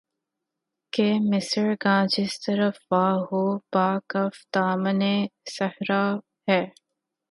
کہ مژگاں جس طرف وا ہو‘ بہ کف دامانِ صحرا ہے